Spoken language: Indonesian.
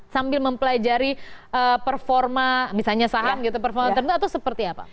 sambil mempelajari performa misalnya saham gitu performa tertentu atau seperti apa